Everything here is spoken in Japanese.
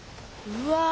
うわ！